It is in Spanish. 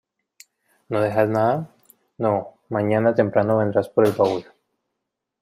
¿No dejas nada? no mañana temprano vendrás por el baúl.